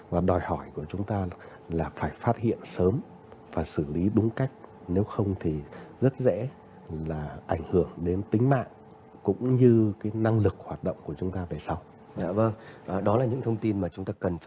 và đòi hỏi của chúng ta là phải phát hiện sớm và xử lý đúng cách nếu không thì rất dễ là ảnh hưởng đến tính mạng cũng như năng lực hoạt động của chúng ta về sau